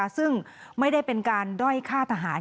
ซึ่งไม่ได้เป็นการด้อยฆ่าทหาร